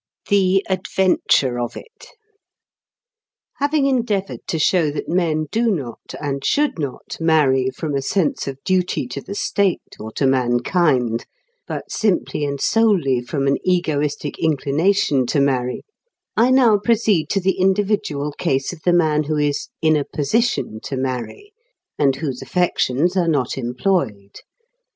THE ADVENTURE OF IT Having endeavoured to show that men do not, and should not, marry from a sense of duty to the state or to mankind, but simply and solely from an egoistic inclination to marry, I now proceed to the individual case of the man who is "in a position to marry" and whose affections are not employed.